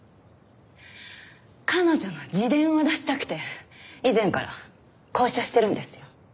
彼女の自伝を出したくて以前から交渉してるんですよ。